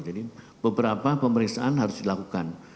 jadi beberapa pemeriksaan harus dilakukan